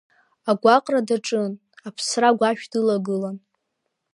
Агәаҟра даҿын, аԥсра агәашә дылагылан.